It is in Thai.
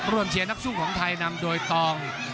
เชียร์นักสู้ของไทยนำโดยตอง